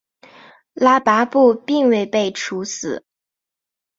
拉跋布并未被处死。